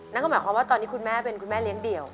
นั่นก็หมายความว่าตอนนี้คุณแม่เป็นคุณแม่เลี้ยงเดี่ยว